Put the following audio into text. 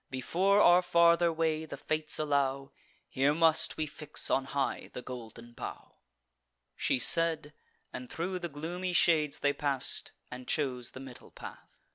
Before our farther way the Fates allow, Here must we fix on high the golden bough." She said, and thro' the gloomy shades they pass'd, And chose the middle path.